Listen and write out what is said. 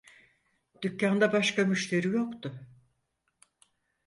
Dükkanda başka müşteri yoktu.